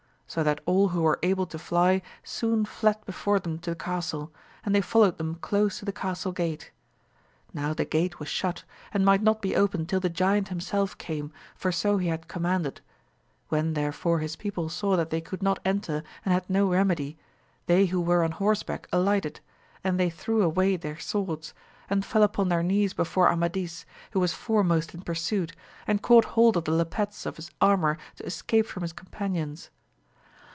So that all who were able to fly soon fled before them to the castle, and they followed them close to the castle gate. Now the gate was shut, and might not be opened till the giant him self came, for so he had commanded ; when therefore his people saw that they could not enter and had no remedy, they who were on horseback alighted, and they threw away their swords, and fell upon their knees before Amadis, who was foremost in pursuit, and caught hold of the lappets of his armour to escape from his companions.